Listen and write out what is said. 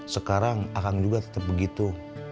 sekarang akang juga tetap begitu